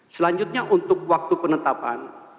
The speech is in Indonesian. selanjutnya untuk waktu penetapan